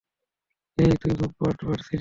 হেই, তুই খুব বাড় বেড়েছিস।